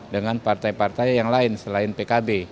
dengan partai partai yang lain selain pkb